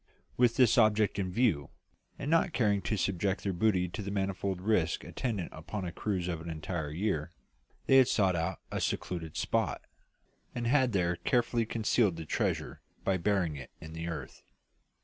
With this object in view, and not caring to subject their booty to the manifold risks attendant upon a cruise of an entire year, they had sought out a secluded spot, and had there carefully concealed the treasure by burying it in the earth.